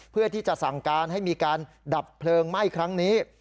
เพื่อที่จะสั่งการให้มีการดับเพลิงไหม้ครั้งนี้